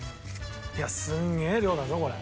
いやすげえ量だぞこれ。